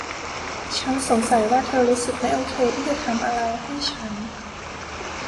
ฉันสงสัยว่าเธอรู้สึกไม่โอเคที่จะทำอะไรให้ฉัน